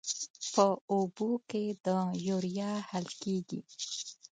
په اوبو کې د یوریا حل کیږي.